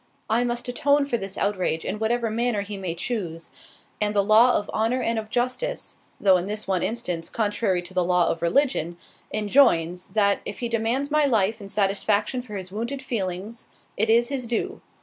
I must atone for this outrage in whatever manner he may choose; and the law of honour and of justice (though in this one instance contrary to the law of religion) enjoins, that if he demands my life in satisfaction for his wounded feelings, it is his due.